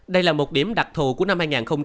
đây là một điểm đặc thù của năm hai nghìn hai mươi